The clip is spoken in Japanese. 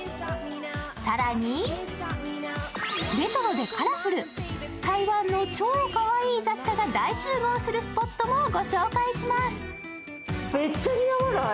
更にレトロでカラフル、台湾のかわいい雑貨が大集合するスポットも御紹介します。